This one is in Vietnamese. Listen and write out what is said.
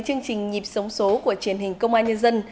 chương trình nhịp sống số của truyền hình công an nhân dân